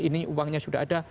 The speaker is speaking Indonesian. ini uangnya sudah ada